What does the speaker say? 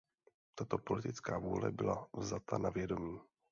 Tato politická vůle byla vzata na vědomí.